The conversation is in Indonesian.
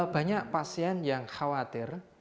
banyak pasien yang khawatir